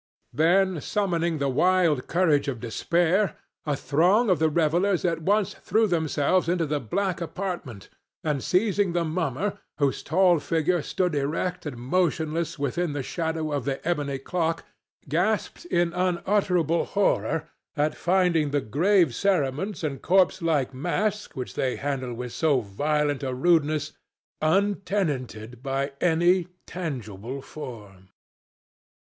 Then, summoning the wild courage of despair, a throng of the revellers at once threw themselves into the black apartment, and, seizing the mummer, whose tall figure stood erect and motionless within the shadow of the ebony clock, gasped in unutterable horror at finding the grave cerements and corpse like mask which they handled with so violent a rudeness, untenanted by any tangible form.